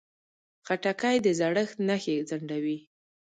خټکی د زړښت نښې ځنډوي.